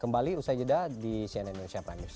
kembali usai jeda di cnn indonesia prime news